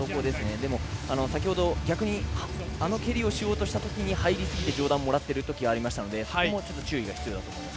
でも、先ほど逆にあの蹴りをしようとした時に入りすぎて上段をもらっている時があったのでそこも注意が必要だと思います。